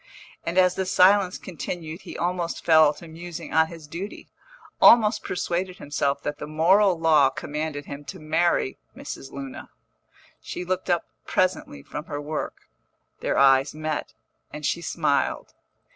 And as the silence continued he almost fell to musing on his duty, almost persuaded himself that the moral law commanded him to marry Mrs. Luna. She looked up presently from her work, their eyes met, and she smiled.